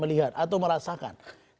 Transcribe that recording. kalian episode tv sebelumnya